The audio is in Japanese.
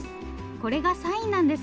これがサインなんですね。